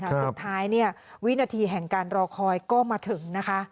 สุดท้ายวินาทีแห่งการรอคอยก็มาถึง